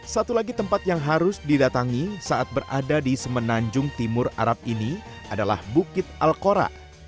satu lagi tempat yang harus didatangi saat berada di semenanjung timur arab ini adalah bukit alkora